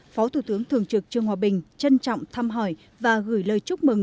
phó thủ tướng thường trực trương hòa bình trân trọng thăm hỏi và gửi lời chúc mừng